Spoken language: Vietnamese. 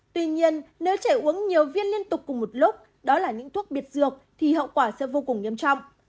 tuy nhiên nếu trẻ uống nhiều viên liên tục cùng một lúc đó là những thuốc biệt dược thì hậu quả sẽ vô cùng nghiêm trọng